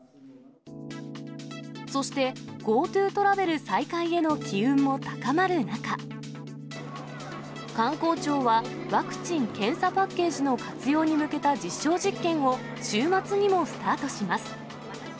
そして、ＧｏＴｏトラベル再開への機運も高まる中、観光庁は、ワクチン・検査パッケージの活用に向けた実証実験を週末にもスタートします。